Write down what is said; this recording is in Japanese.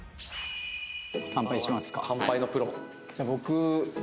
乾杯しますか。